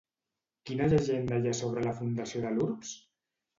Quina llegenda hi ha sobre la fundació de l'urbs?